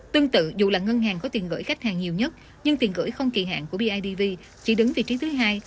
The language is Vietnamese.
tương tự dù là ngân hàng có tiền gửi khách hàng nhiều nhất nhưng tiền gửi không kỳ hạn của bidv chỉ đứng vị trí thứ hai